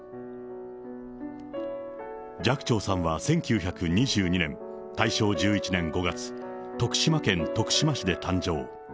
寂聴さんは１９２２年、大正１１年５月、徳島県徳島市で誕生。